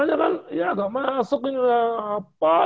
ya gak masuk yang apa